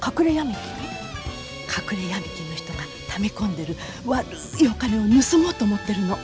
隠れヤミ金の人がため込んでる悪いお金を盗もうと思ってるの。